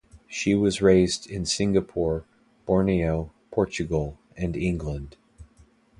She was raised in Singapore, Borneo, Portugal, and England.